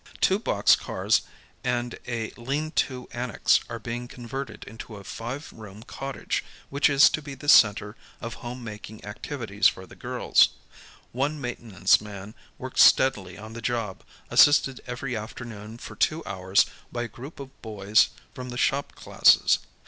Two box cars and a "lean to" annex are being converted into a five room cottage which is to be the center of home making activities for the girls. One maintenance man works steadily on the job assisted every afternoon for two hours by a group of boys from the shop classes.